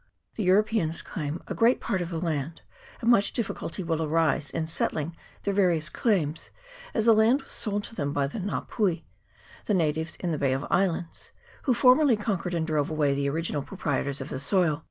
The Euro peans claim a great part of the land, and much difficulty will arise in settling their various claims, as the land was sold to them by the Nga pui, the natives in the Bay of Islands, who formerly con quered and drove away the original proprietors of the soil.